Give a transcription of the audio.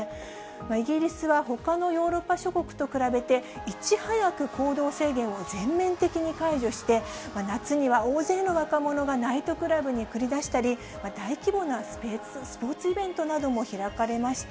イギリスはほかのヨーロッパ諸国と比べて、いち早く行動制限を全面的に解除して、夏には大勢の若者がナイトクラブに繰り出したり、大規模なスポーツイベントなども開かれました。